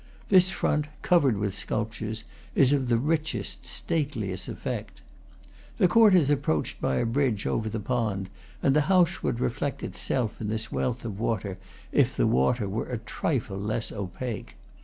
This front, covered with sculptures, is of the richest, stateliest effect. The court is ap proachcd by a bridge over the pond, and the house would reflect itself in this wealth of water if the water were a trifle less opaque.